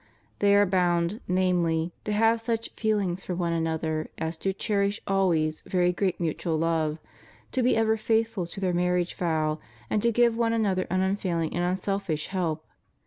They are bound, namely, to have such feehngs for one another as to cherish always very great mutual love, to be ever faithful to their marriage vow, and to give one another an unfailing and unselfish help.